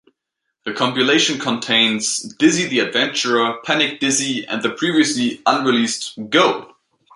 The compilation contains, "Dizzy the Adventurer", "Panic Dizzy" and the previously unreleased "Go!